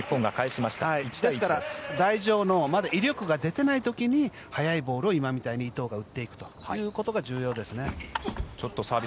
台上の威力が出ていないときに速いボールを今みたいに伊藤が打っていくということが重要です。